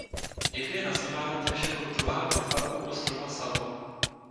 Někdy je nazývána též jako druhá bitva u ostrova Savo.